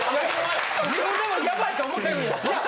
自分でもヤバいと思ってるんや。